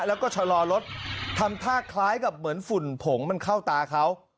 แล้วก็ชะลอรถทำท่าคล้ายกับเหมือนฝุ่นผงมันเข้าตาเขา